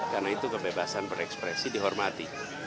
karena itu kebebasan berekspresi dihormati